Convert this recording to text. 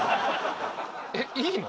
えっいいの？